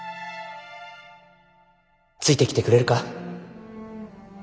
ついてきてくれるか。